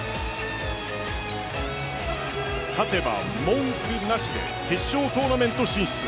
勝てば文句なしで決勝トーナメント進出。